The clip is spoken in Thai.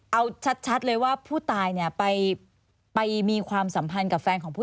เอาชัดเลยว่าผู้ตายเนี่ยไปมีความสัมพันธ์กับแฟนของผู้